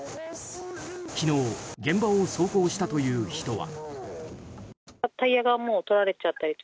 昨日、現場を走行したという人は。